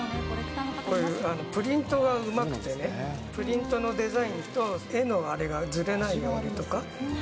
これ、プリントがうまくてね、プリントのデザインと絵のあれがずれないようにとか。